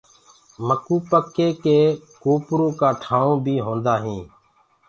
مڪوُ پڪ هي ڪي ڪوپرو ڪآ ٺآيونٚ بي هوندآ هينٚ۔